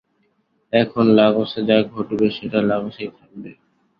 এখন লাগোসে যা ঘটবে সেটা লাগোসেই থাকবে।